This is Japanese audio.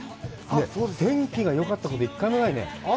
天気がよかったこと、１回もないね。